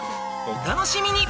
お楽しみに！